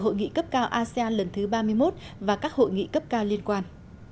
hội nghị cấp cao asean ba mươi một và các hội nghị cấp cao liên quan